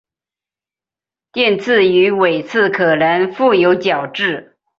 臀刺与尾刺可能覆有角质。